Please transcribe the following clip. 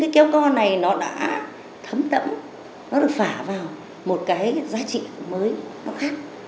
kéo co này đã thấm đẫm nó được phả vào một cái giá trị mới nó khác